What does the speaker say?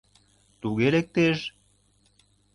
— Туге лектеш.